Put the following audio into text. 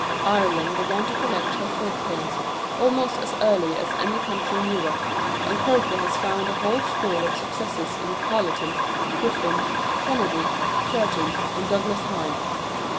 Ireland began to collect her folk tales almost as early as any country in Europe, and Croker has found a whole school of successors in Carleton, Griffin, Kennedy, Curtin, and Douglas Hyde.